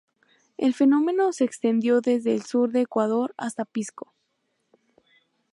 El fenómeno se extendió desde el sur de Ecuador hasta Pisco.